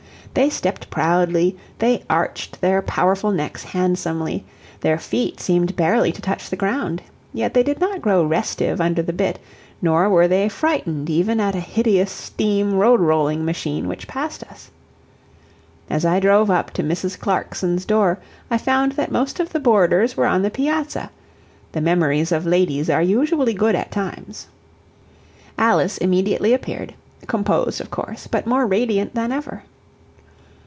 They stepped proudly, they arched their powerful necks handsomely, their feet seemed barely to touch the ground; yet they did not grow restive under the bit, nor were they frightened even at a hideous steam road rolling machine which passed us. As I drove up to Mrs. Clarkson's door I found that most of the boarders were on the piazza the memories of ladies are usually good at times. Alice immediately appeared, composed of course, but more radiant than ever.